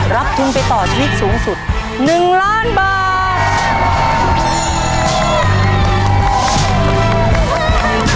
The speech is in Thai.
รับทุนไปต่อชีวิตสูงสุด๑ล้านบาท